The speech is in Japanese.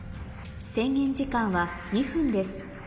制限時間は２分です